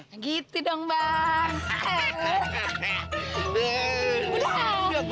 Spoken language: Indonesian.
nah gitu dong bang